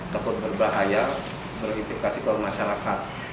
teguh berbahaya berintikasi ke masyarakat